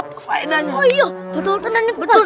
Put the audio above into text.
dulu kak gimana mau susun pokoknya aku bakalan